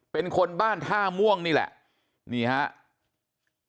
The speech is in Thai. เป็นคนบ้านท่าม่วงนี่แหละนี่ครับ